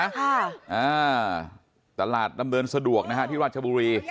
ค่ะอ่าตลาดดำเนินสะดวกนะฮะที่ราชบุรี